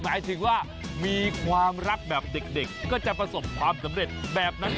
หมายถึงว่ามีความรักแบบเด็กก็จะประสบความสำเร็จแบบนั้น